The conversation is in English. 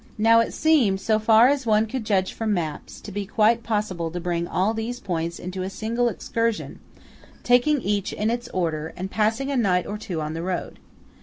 Now it seemed, so far as one could judge from maps, to be quite possible to bring all these points into a single excursion, taking each in its order, and passing a night or two on the road.